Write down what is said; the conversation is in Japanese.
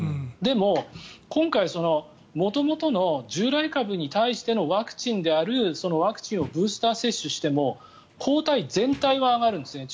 でも、今回元々の従来株に対してのワクチンであるワクチンをブースター接種しても抗体全体は上がるんです。